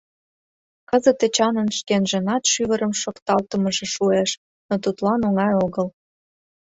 Кызыт Эчанын шкенжынат шӱвырым шокталтымыже шуэш, но тудлан оҥай огыл.